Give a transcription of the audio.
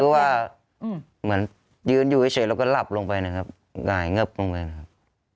ว่าเหมือนยืนอยู่เฉยแล้วก็หลับลงไปนะครับหงายเงิบลงไปนะครับ